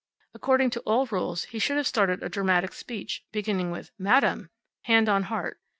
According to all rules he should have started a dramatic speech, beginning with "Madame!" hand on heart.